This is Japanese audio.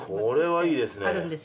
これはいいですね。